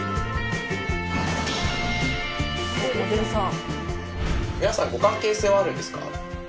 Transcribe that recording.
おっモデルさん。